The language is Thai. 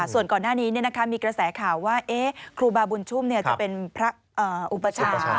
ส่วนก่อนหน้านี้มีกระแสข่าวว่าครูบาบุญชุมจะเป็นพระอุปชา